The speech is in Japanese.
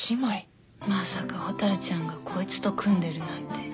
まさか蛍ちゃんがこいつと組んでるなんて。